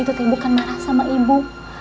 itu teh bukan marah sama ibu